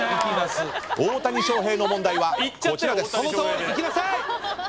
大谷翔平の問題はこちらです。